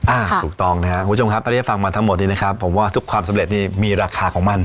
ถูกต้องนะครับคุณผู้ชมครับตอนนี้ฟังมาทั้งหมดนี้นะครับผมว่าทุกความสำเร็จนี่มีราคาของมัน